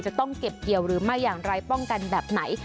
จะต้องเก็บเกี่ยวหรือไม่อย่างไรป้องกันแบบไหน